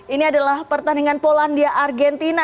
ini adalah pertandingan polandia argentina